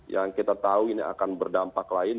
yang kita tahu ini akan berdampak lain